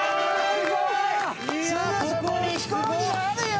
・すぐそこに飛行機があるよ！